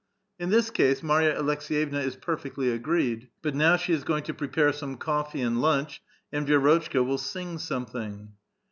In this case Marya Aleks^yevna is porfectly agreed ; but now she is going to prepare some coffee and lunch, and Vi6rotchka will sing something.